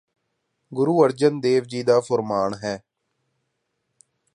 ਗੁਰੂ ਅਰਜਨ ਦੇਵ ਜੀ ਦਾ ਫੁਰਮਾਨ ਹੈ